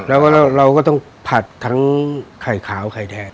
ใช่แล้วเราก็ต้องผัดห้ายเปล่าหลายไข่แทง